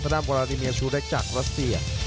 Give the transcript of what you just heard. สดามกวาลาดิเมียชูเรคจากรัสเซีย